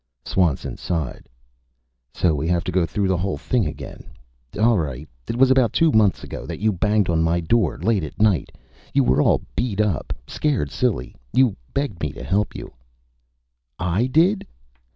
Swanson sighed. "So we have to go through the whole thing again. All right. It was about two months ago that you banged on my door, late at night. You were all beat up scared silly. You begged me to help you " "I did?"